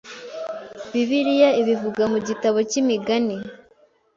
Bibiliya ibivuga mu gitabo cy’Imigani